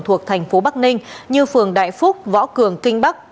thuộc thành phố bắc ninh như phường đại phúc võ cường kinh bắc